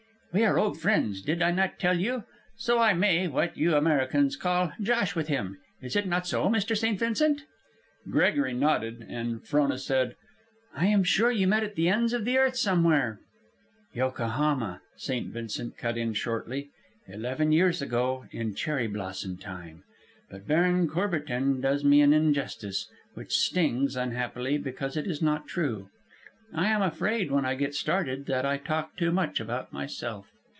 "We are old friends, did I not tell you? So I may, what you Americans call, josh with him. Is it not so, Mr. St. Vincent?" Gregory nodded, and Frona said, "I am sure you met at the ends of the earth somewhere." "Yokohama," St. Vincent cut in shortly; "eleven years ago, in cherry blossom time. But Baron Courbertin does me an injustice, which stings, unhappily, because it is not true. I am afraid, when I get started, that I talk too much about myself."